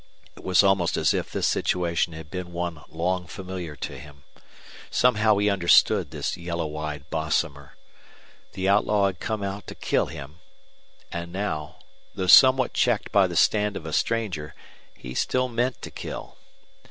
It was almost as if this situation had been one long familiar to him. Somehow he understood this yellow eyed Bosomer. The outlaw had come out to kill him. And now, though somewhat checked by the stand of a stranger, he still meant to kill.